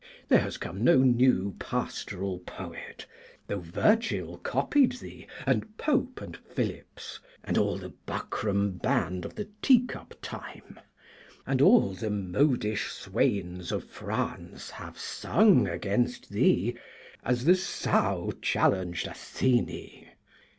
There has come no new pastoral poet, though Virgil copied thee, and Pope, and Phillips, and all the buckram band of the teacup time; and all the modish swains of France have sung against thee, as the son challenged Athene.